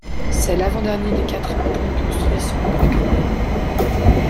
C'est l'avant-dernier des quatre ponts construits sur le Grand Canal.